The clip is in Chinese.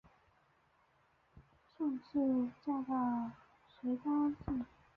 顺治帝驾崩时她随之殉葬。